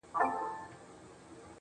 o کيسې د پروني ماښام د جنگ در اچوم.